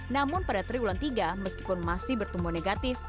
namun pada triwulan tiga meskipun masih bertumbuh negatif